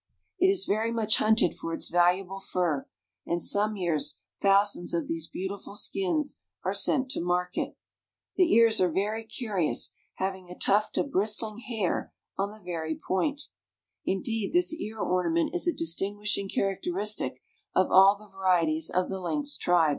It is very much hunted for its valuable fur, and some years thousands of these beautiful skins are sent to market. The ears are very curious, having a tuft of bristling hair on the very point; indeed, this ear ornament is a distinguishing characteristic of all the varieties of the lynx tribe.